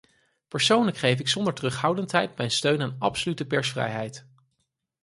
Persoonlijk geef ik zonder terughoudendheid mijn steun aan absolute persvrijheid.